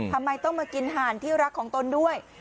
ทำไมต้องมากินห่านที่รักของตนด้วย